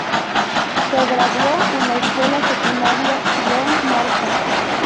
Se graduó en la escuela secundaria John Marshall.